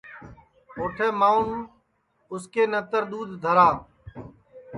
اوٹھے ماںٚون اُس کے نتر دؔودھ دھرا